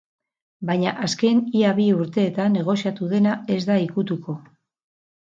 Baina azken ia bi urteetan negoziatu dena ez da ikutuko.